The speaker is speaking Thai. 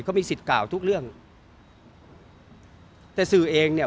เขามีสิทธิ์กล่าวทุกเรื่องแต่สื่อเองเนี่ย